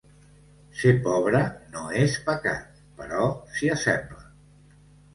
Ser pobre no és pecat, però s'hi assembla.